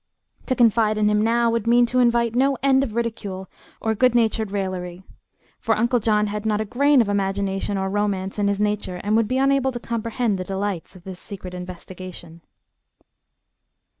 To confide in him now would mean to invite no end of ridicule or good natured raillery, for Uncle John had not a grain of imagination or romance in his nature and would be unable to comprehend the delights of this secret investigation.